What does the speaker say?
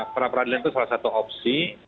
pra peradilan itu salah satu opsi